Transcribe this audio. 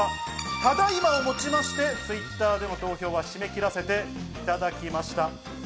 ただいまをもちましてＴｗｉｔｔｅｒでの投票は締め切らせていただきました。